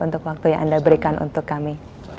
untuk waktu yang anda berikan untuk kami